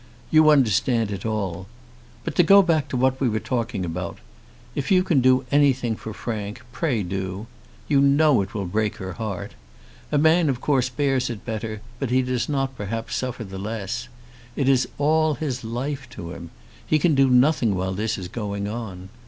You understand it all. But to go back to what we were talking about, if you can do anything for Frank, pray do. You know it will break her heart. A man of course bears it better, but he does not perhaps suffer the less. It is all his life to him. He can do nothing while this is going on.